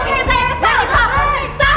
saya yang bikin saya kesel